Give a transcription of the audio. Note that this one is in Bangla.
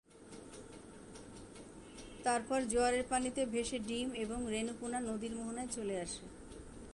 তারপর জোয়ারের পানিতে ভেসে ডিম এবং রেণু পোনা নদীর মোহনায় চলে আসে।